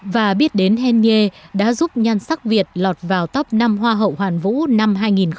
và biết đến hen nhê đã giúp nhan sắc việt lọt vào tóc năm hoa hậu hoàn vũ năm hai nghìn một mươi tám